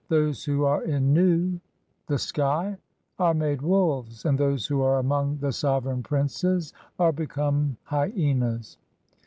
Those who are in Nu (z. e., "the sky) are made wolves, (3) and those who are among the "sovereign princes are become hyenas.